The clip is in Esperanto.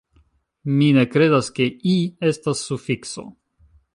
Mi ne kredas, ke -i- estas sufikso.